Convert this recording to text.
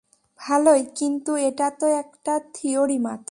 ভালোই, কিন্তু এটাতো একটা থিওরি মাত্র।